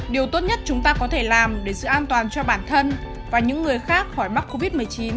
điều tốt nhất chúng ta có thể làm để giữ an toàn cho bản thân và những người khác khỏi mắc covid một mươi chín